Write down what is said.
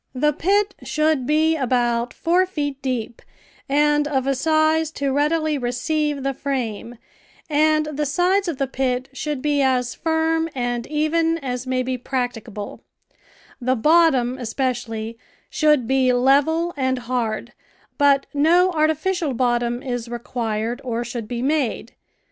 The pit should be about four feet deep and of a size to readily receive the frame, and the sides of the pit should be as firm and even as may be practicable; the bottom, especially, should be level and hard, but no artificial bottom is required or should be made.